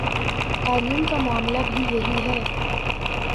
تعلیم کا معاملہ بھی یہی ہے۔